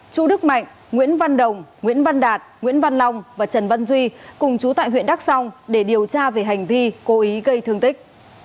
chu đức mạnh nguyễn văn đồng nguyễn văn đạt nguyễn văn long và trần văn duy cùng chú tại huyện đắk song để điều tra về hành vi cố ý gây thương tích